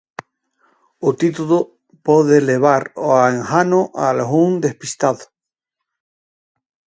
O título pode levar a engano a algún despistado.